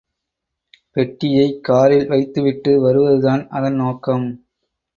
பெட்டியைக் காரில் வைத்துவிட்டு வருவதுதான் அதன் நோக்கம்.